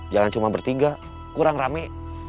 jangan cuma bertiga kurang rame